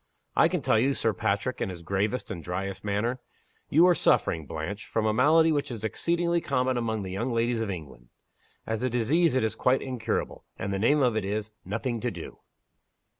"I can tell you," said Sir Patrick, in his gravest and dryest manner. "You are suffering, Blanche, from a malady which is exceedingly common among the young ladies of England. As a disease it is quite incurable and the name of it is Nothing to Do."